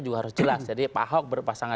juga harus jelas jadi pak ahok berpasangan